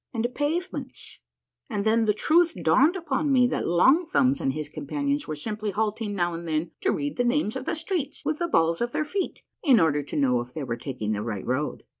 A MARVELLOUS UNDERGROUND JOURNEY 109 pavements, and then the truth dawned upon me, that Long Thumbs and his companions were simply halting now and then to read the names of the streets with the balls of their feet, in order to know if they were taking the right road.